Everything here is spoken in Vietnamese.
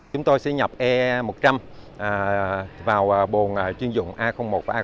chúng tôi sẽ nhập e một trăm linh vào bồn chuyên dụng a một và a hai